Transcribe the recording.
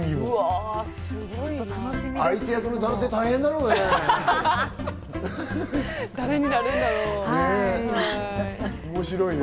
相手役の男性、大変だろうね。